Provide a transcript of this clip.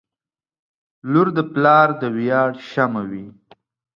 • لور د پلار د ویاړ شمعه وي.